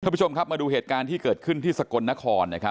คุณผู้ชมครับมาดูเหตุการณ์ที่เกิดขึ้นที่สกลนคร